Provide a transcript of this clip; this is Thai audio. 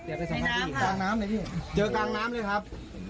เจอกลางน้ำเลยครับ